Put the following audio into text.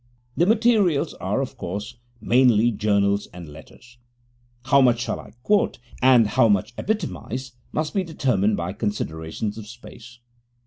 The materials are, of course, mainly journals and letters. How much I shall quote and how much epitomize must be determined by considerations of space.